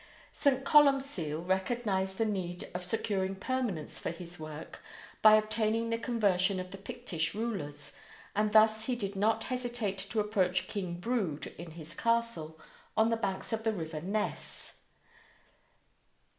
St. Columcille recognized the need of securing permanence for his work by obtaining the conversion of the Pictish rulers, and thus he did not hesitate to approach King Brude in his castle on the banks of the River Ness.